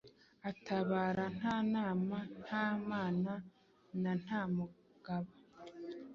atabara nta nama, nta mana na nta mugaba,